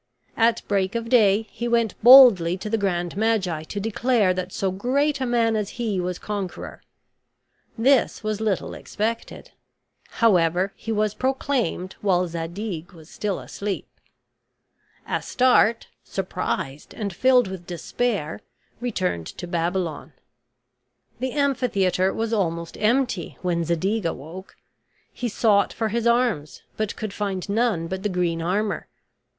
At break of day he went boldly to the grand magi to declare that so great a man as he was conqueror. This was little expected; however, he was proclaimed while Zadig was still asleep. Astarte, surprised and filled with despair, returned to Babylon. The amphitheater was almost empty when Zadig awoke; he sought for his arms, but could find none but the green armor.